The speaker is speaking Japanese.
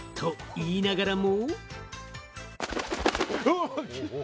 言いながらも。